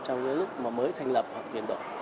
trong những lúc mới thành lập hoặc chuyển đổi